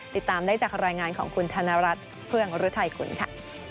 ติดตามได้จากรายงานของคุณธนรัฐเฟื่องฤทัยคุณค่ะ